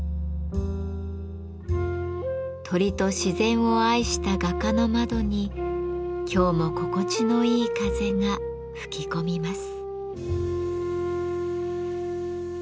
鳥と自然を愛した画家の窓に今日も心地のいい風が吹き込みます。